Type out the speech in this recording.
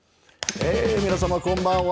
皆さまこんばんは。